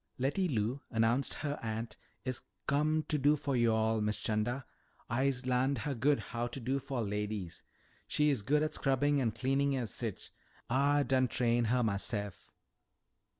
"Letty Lou," announced her aunt, "is com' to do fo' yo'all, Miss 'Chanda. I'se larn'd her good how to do fo' ladies. She is good at scrubbin' an' cleanin' an sich. Ah done train'd her mahse'f."